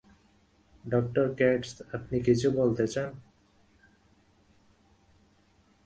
Doctor Katz, আপনি কিছু বলতে চান?